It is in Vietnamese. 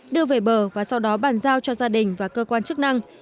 đưa về bờ và sau đó bàn giao cho gia đình và cơ quan chức năng